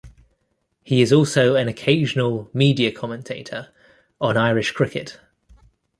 He is also an occasional media commentator on Irish cricket.